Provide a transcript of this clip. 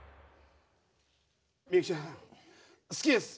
ミユキちゃん好きです！